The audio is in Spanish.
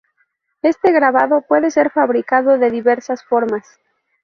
Éste grabado puede ser fabricado de diversas formas.